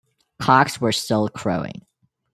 Cocks were still crowing.